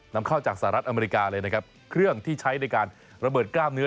นำเข้าจากสหรัฐอเมริกาเลยนะครับเครื่องที่ใช้ในการระเบิดกล้ามเนื้อ